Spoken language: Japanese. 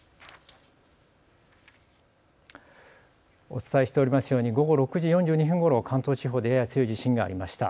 お伝えしておりますように午後６時４２分ごろ関東地方でやや強い地震がありました。